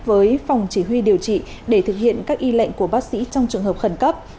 với phòng chỉ huy điều trị để thực hiện các y lệnh của bác sĩ trong trường hợp khẩn cấp